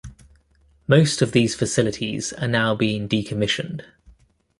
Most of these facilities are now being decommissioned.